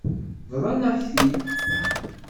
Bḍan-ak-t-id.